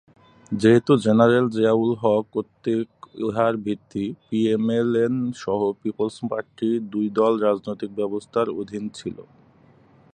যেহেতু জেনারেল জিয়াউল হক কর্তৃক ইহার ভিত্তি, পিএমএল-এন সহ পিপলস পার্টি দুই দল রাজনৈতিক ব্যবস্থার অধীন ছিল।